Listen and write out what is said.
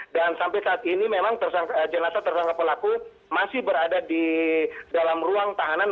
dan sampai saat ini memang jenazah tersangka pelaku masih berada di dalam ruang tahanan